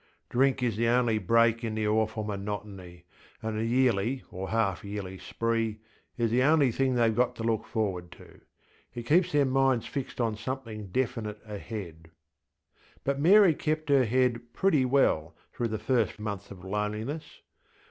Drink is the only break in the awful monotony, and the yearly or half yearly spree is the only thing theyŌĆÖve got to look forward to: it keeps their minds fixed on something definite ahead. But Mary kept her head pretty well through the first months of loneliness.